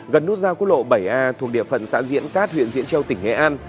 gần nút giao quốc lộ bảy a thuộc địa phận xã diễn cát huyện diễn châu tỉnh nghệ an